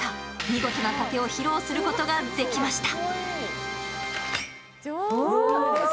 見事なたてを披露することができました。